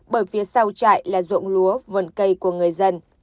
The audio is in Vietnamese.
bởi phía sau trại là ruộng lúa vườn cây của người dân